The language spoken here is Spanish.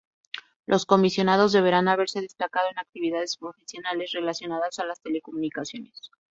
Los comisionados deberán haberse destacado en actividades profesionales relacionados a las telecomunicaciones.